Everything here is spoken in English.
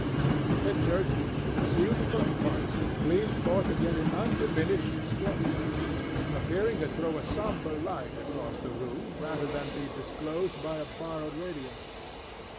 The pictures, concealed for months, gleamed forth again in undiminished splendor, appearing to throw a sombre light across the room rather than to be disclosed by a borrowed radiance.